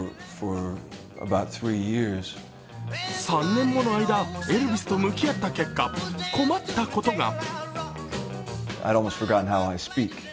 ３年もの間、エルヴィスと向き合った結果、困ったことが。